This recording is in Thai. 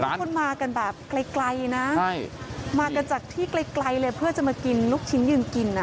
คนมากันแบบไกลนะมากันจากที่ไกลเลยเพื่อจะมากินลูกชิ้นยืนกินนะ